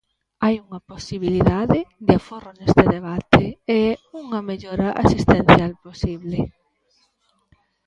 Hai unha posibilidade de aforro neste debate, e é unha mellora asistencial posible.